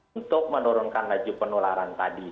untuk menurunkan laju penularan tadi